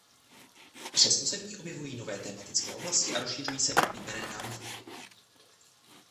Přesto se v ní objevují nové tematické oblasti a rozšiřují se oblíbené náměty.